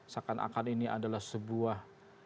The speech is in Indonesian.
seakan akan ini adalah sebuah